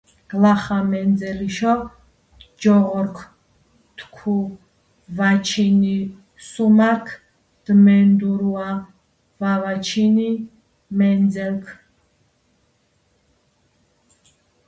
გლახა მენძელიში ჯოღორქ თქუუ: ვაჩინი - სუმარქ დმენდურუა, ვავაჩინი - მენძელქ.